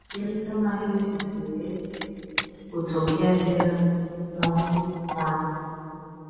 ajali kama hiyo isiweze kutokea tena mosi mwazi